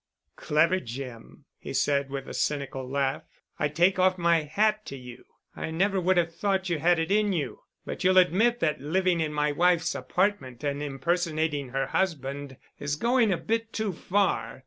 "Clever, Jim," he said with a cynical laugh. "I take off my hat to you. I never would have thought you had it in you. But you'll admit that living in my wife's apartment and impersonating her husband is going a bit too far."